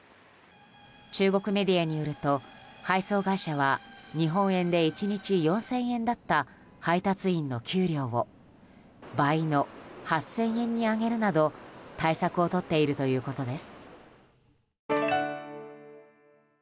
中国メディアによると配送会社は日本円で１日４０００円だった配達員の給料を倍の８０００円に上げるなど対策をとっているということです。